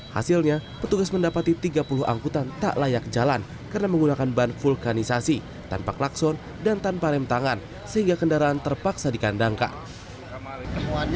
hasilnya petugas mendapati tiga puluh angkutan tak layak jalan karena menggunakan ban vulkanisasi tanpa klakson dan tanpa rem tangan sehingga kendaraan terpaksa dikandangkan